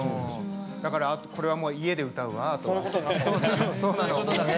だから、これは家で歌うわ、あとは。